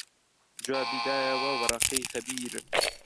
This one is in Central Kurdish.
جوابی دایەوە وەرەقەی خەبیر